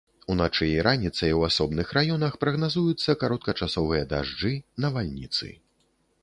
Уначы і раніцай у асобных раёнах прагназуюцца кароткачасовыя дажджы, навальніцы.